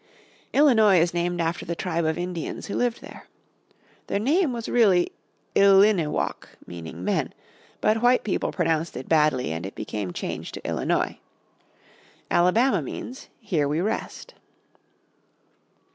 Illinois is named after the tribe of Indians who lived there. Their name was really Iliniwok meaning "Men" but white people pronounced it badly and it became changed to Illinois. Alabama means "here we rest."